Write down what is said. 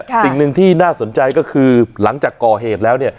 สิ่งหนึ่งที่น่าสนใจก็คือหลังจากก่อเหตุแล้วเนี่ย